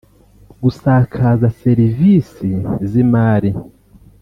gusakaza serivisi z’imari